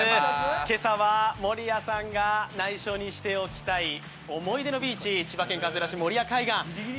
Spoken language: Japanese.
今朝は守屋さんが内緒にしておきたい思い出のビーチ、千葉県勝浦市、守谷海岸。